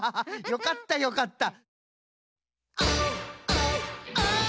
よかったよかった。